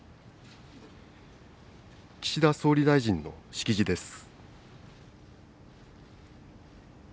岸田総理大臣の式辞です。